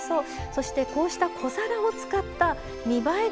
そしてこうした小皿を使った見栄えがいい